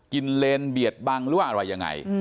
เลนเบียดบังหรือว่าอะไรยังไง